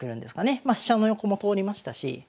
ま飛車の横も通りましたし。